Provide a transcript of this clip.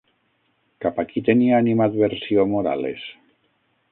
Cap a qui tenia animadversió Morales?